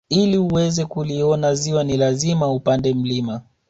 Ili uweze kuliona ziwa ni lazima upande mlima